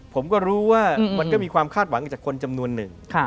ผมก็รู้ว่ามันก็มีความคาดหวังจากคนจำนวนหนึ่ง